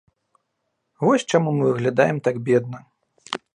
Вось чаму мы выглядаем так бедна.